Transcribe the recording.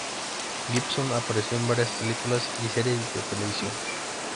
Gibson apareció en varias películas y series de televisión.